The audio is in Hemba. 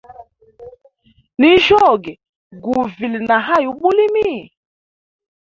Ninjyoge guvile na hayi ubulimi.